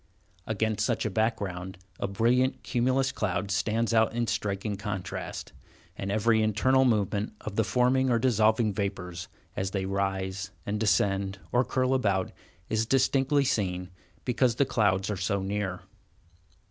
Against such a background, the brilliant cumulus clouds stand out in striking contrast, and every internal movement of the forming or dissolving vapors, as they rise, and descend, or curl about, is distinctly seen, because the clouds are so near.